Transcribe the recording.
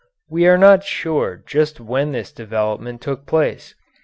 We are not sure just when this development took place.